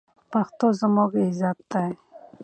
پښتو ژبه زموږ عزت دی.